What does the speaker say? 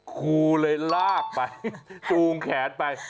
ครูเลยลากไปจูงแขนไป